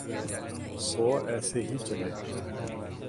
سو ایسے ہی چلے۔